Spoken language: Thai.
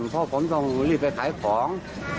เพราะผมต้องรีบไปขายของ